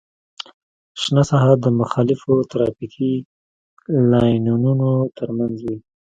شنه ساحه د مخالفو ترافیکي لاینونو ترمنځ وي